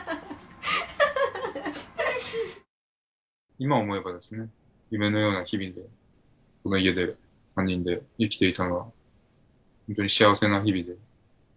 今思えばですね、夢のような日々で、この家で３人で生きていたのは、本当に幸せな日々で。